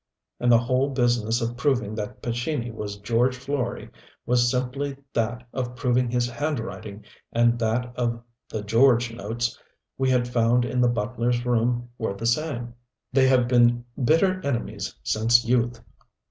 And the whole business of proving that Pescini was George Florey was simply that of proving his handwriting and that of the "George" notes we had found in the butler's room were the same. "They have been bitter enemies since youth."